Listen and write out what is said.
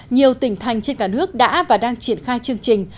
nhiều tỉnh thành trên cả nước đã và đang triển khai chương trình